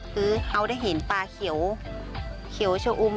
คือเขาได้เห็นปลาเขียวชะอุ่ม